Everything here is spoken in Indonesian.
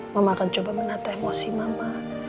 mama akan coba menata emosi mama